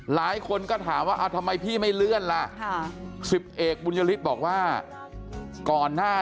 หลายคนก็ถามว่าทำไมพี่ไม่เลื่อนล่ะ๑๐เอกบุญยฤทธิ์บอกว่าก่อนหน้า